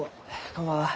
こんばんは。